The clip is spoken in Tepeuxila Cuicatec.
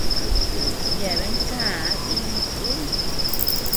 Yeabean käa diñu tiudi.